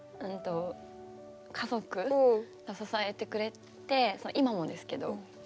家族が支えてくれて今もですけど。